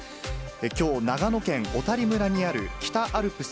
きょう、長野県小谷村にある北アルプス